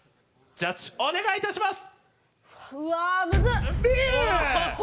ジャッジお願いします！